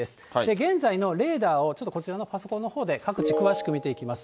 現在のレーダーをちょっとこちらのパソコンのほうで、各地、詳しく見ていきます。